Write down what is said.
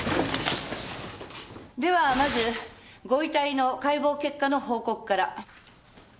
ではまずご遺体の解剖結果の報告から。